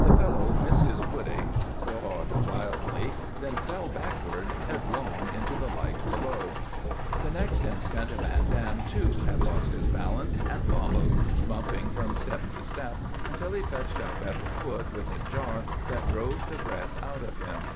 The fellow missed his footing, clawed wildly, then fell backward headlong into the light below. The next instant Van Dam, too, had lost his balance and followed, bumping from step to step until he fetched up at the foot with a jar that drove the breath out of him.